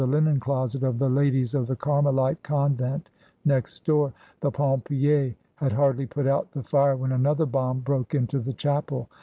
linen doset of the ladies of the Carmelite convent next door; the pompiers had hardly put out the fire when another bomb broke into the chapel.